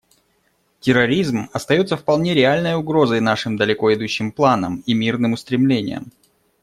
Терроризм остается вполне реальной угрозой нашим далеко идущим планам и мирным устремлениям.